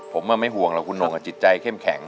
ผมไม่ห่วงหรอกคุณหงจิตใจเข้มแข็ง